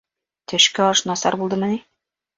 Төшкө аш насар булдымы ни?